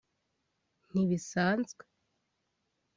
Ntibisanzwe